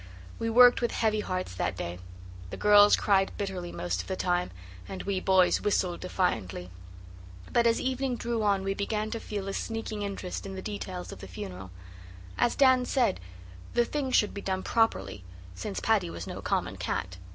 We worked with heavy hearts that day; the girls cried bitterly most of the time and we boys whistled defiantly. But as evening drew on we began to feel a sneaking interest in the details of the funeral. As Dan said, the thing should be done properly, since Paddy was no common cat.